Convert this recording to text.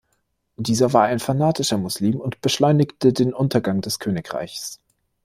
Dieser war ein fanatischer Muslim und beschleunigte den Untergang des Königreichs.